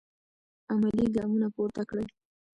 عملي ګامونه پورته کړئ.